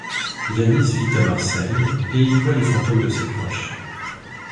Yannis vit à Marseille et il voit les fantômes de ses proches.